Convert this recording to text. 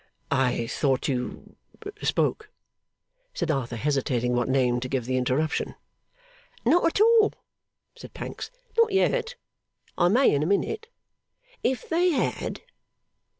'I thought you spoke,' said Arthur, hesitating what name to give the interruption. 'Not at all,' said Pancks. 'Not yet. I may in a minute. If they had?